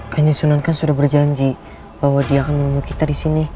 hanya sunan kan sudah berjanji bahwa dia akan menemui kita di sini